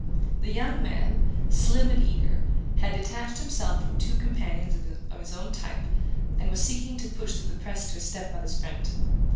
The young man, slim and eager, had detached himself from two companions of his own type, and was seeking to push through the press to his step mother's friend.